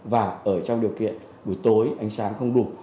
và ở trong điều kiện buổi tối ánh sáng không đủ